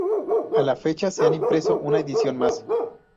A la fecha se han impreso una edición más.